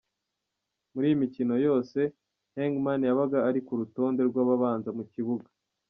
Muri iyi mikino yose, Hegman yabaga ari ku rutonde rw’ababanza mu kibuga.